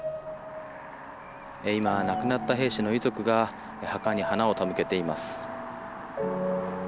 今、亡くなった兵士の遺族が墓に花を手向けています。